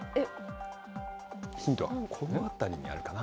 ヒントは、この辺りにあるかな。